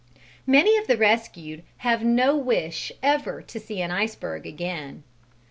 Many of the rescued have no wish ever to see an iceberg again.